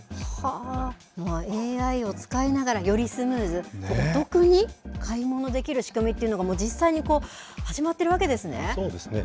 ＡＩを使いながら、よりスムーズ、お得に買い物できる仕組みっていうのが、もう実際にこう、そうですね。